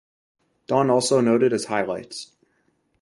Dawn also noted as highlights.